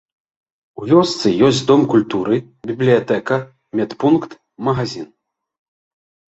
У вёсцы ёсць дом культуры, бібліятэка, медпункт, магазін.